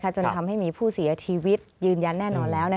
จนทำให้มีผู้เสียชีวิตยืนยันแน่นอนแล้ว